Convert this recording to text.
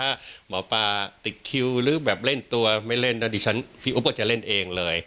ถ้าหมอปลาติดคิวหรือแบบเล่นตัวไม่เล่นนะดิฉันพี่อุ๊บก็จะเล่นเองเลย